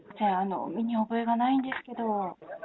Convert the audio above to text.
身に覚えがないんですけど。